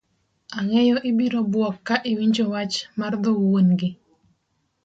Ang'eyo ibiro buok ka iwonjo wach mar dho wuon gi